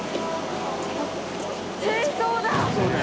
正装だ！